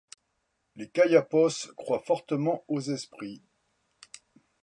Les Kayapos croient fortement aux esprits.